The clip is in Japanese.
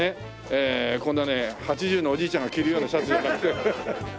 えこんなね８０のおじいちゃんが着るようなシャツじゃなくて。